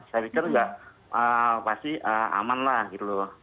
saya pikir nggak pasti aman lah gitu loh